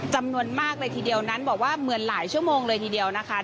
จำนวนมากเลยทีเดียวนั้นบอกว่าเหมือนหลายชั่วโมงเลยทีเดียวนะคะ